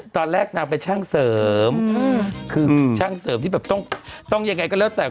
ตอนแรกน้ำไปช่างเสริมช่างเสริมที่ต้องเย็นไงอย่างไรก็เลือกแต่